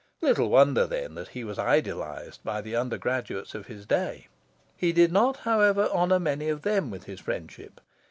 Little wonder, then, that he was idolised by the undergraduates of his day. He did not, however, honour many of them with his friendship.